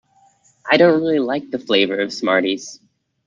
I don't really like the flavour of Smarties